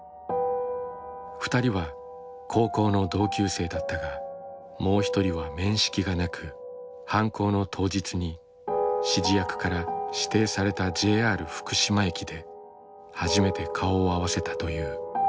２人は高校の同級生だったがもう一人は面識がなく犯行の当日に指示役から指定されたＪＲ福島駅で初めて顔を合わせたという。